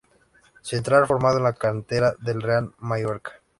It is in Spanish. Central formado en la cantera del Real Mallorca.